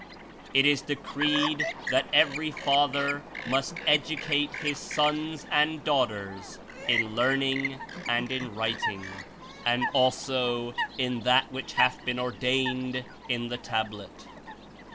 It is decreed that every father must educate his sons and daughters in learning and in writing, and also in that which hath been or dained in the Tablet.